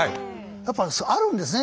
やっぱりあるんですね